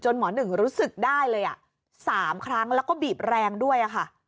หมอหนึ่งรู้สึกได้เลย๓ครั้งแล้วก็บีบแรงด้วยค่ะ